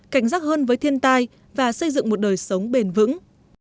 cảnh giác hơn với thiên tai và xây dựng một đời sống bền vững